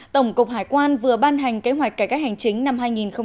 tổng cục hải quan vừa ban hành kế hoạch cải cách hành chính năm hai nghìn một mươi bảy